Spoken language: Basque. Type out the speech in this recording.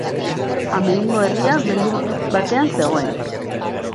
Hamelingo herria mendi batean zegoen.